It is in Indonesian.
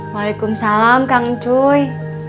waalaikumsalam kang encuy